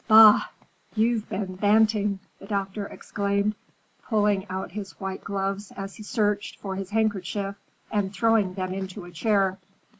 "Bah, you've been banting!" the doctor exclaimed, pulling out his white gloves as he searched for his handkerchief and throwing them into a chair.